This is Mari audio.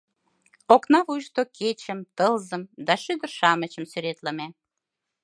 Окна вуйышто кечым, тылзым да шӱдыр-шамычым сӱретлыме.